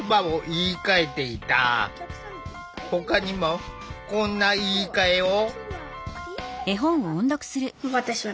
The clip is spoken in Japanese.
ほかにもこんな「言いかえ」を。